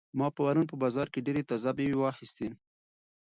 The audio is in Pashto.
ما پرون په بازار کې ډېرې تازه مېوې واخیستې.